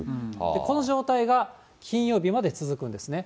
この状態が金曜日まで続くんですね。